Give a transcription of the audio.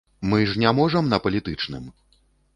Мы ж не можам на палітычным.